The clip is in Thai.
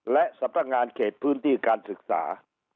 และสำนักงานเขตพื้นที่การศึกษา